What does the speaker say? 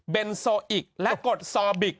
เป็นโซอิกและกฎซอบิก